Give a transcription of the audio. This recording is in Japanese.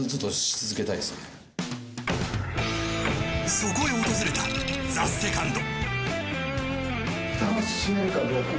そこへ訪れたＴＨＥＳＥＣＯＮＤ。